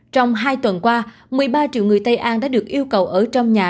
trong hai tuần qua một mươi ba triệu người tây an đã được yêu cầu ở trong nhà